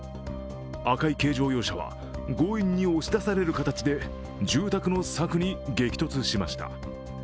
赤い軽乗用車は強引に押し出される形で住宅の柵に激突しました。